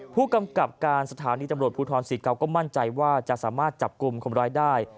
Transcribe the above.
ผู้กำกับการสถานีตำรวจภูทรศรีเกาก็มั่นใจว่าจะสามารถจับกลุ่มคนร้ายได้